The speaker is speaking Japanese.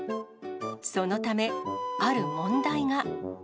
そのため、ある問題が。